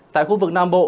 tại khu vực nam bộ